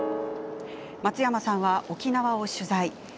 松山さんは沖縄を取材。